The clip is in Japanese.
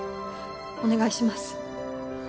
お願いします。